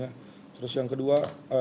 kemudian yang kedua